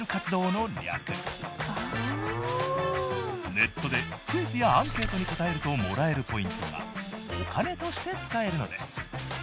ネットでクイズやアンケートに答えるともらえるポイントがお金として使えるのです。